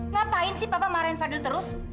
ngapain sih papa marahin fadil terus